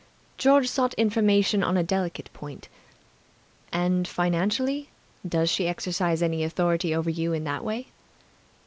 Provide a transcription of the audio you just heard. George sought information on a delicate point. "And financially? Does she exercise any authority over you in that way?"